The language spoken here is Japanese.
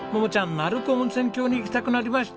鳴子温泉郷に行きたくなりました。